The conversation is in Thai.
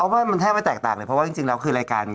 ไม่มันแทบไม่แตกต่างเลยเพราะว่าจริงแล้วคือรายการ